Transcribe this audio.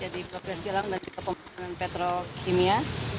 dan juga pemerintah petrokimia